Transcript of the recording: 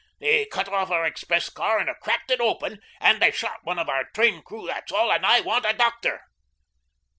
They cut off our express car and have cracked it open, and they shot one of our train crew, that's all, and I want a doctor."